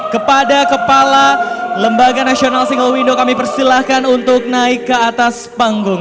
kepada kepala lembaga nasional single window kami persilahkan untuk naik ke atas panggung